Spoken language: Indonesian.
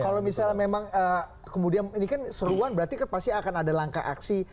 kalau misalnya memang kemudian ini kan seruan berarti pasti akan ada langkah aksi